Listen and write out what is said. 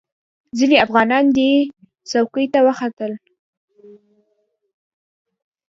ځینې افغانان دې څوکې ته وختل.